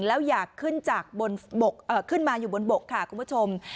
แล้วอยากขึ้นมาอยู่บนบกค่ะคุณผู้ชม